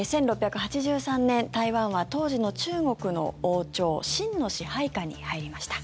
１６８３年、台湾は当時の中国の王朝清の支配下に入りました。